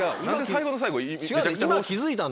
最後の最後めちゃくちゃ。